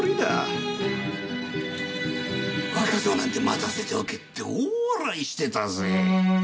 若造なんて待たせておけって大笑いしてたぜ。